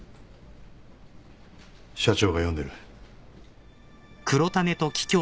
社長が呼んでる。